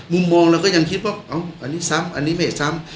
มุมมองเราก็ยังคิดว่าอันนี้ซ้ำอันนี้ไม่ซ้ำ